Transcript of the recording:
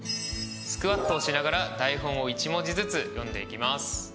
スクワットをしながら台本を１文字ずつ読んでいきます。